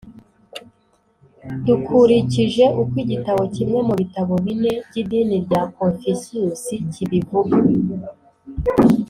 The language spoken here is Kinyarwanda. dukurikije uko igitabo kimwe mu bitabo bine by’idini rya confusius kibivug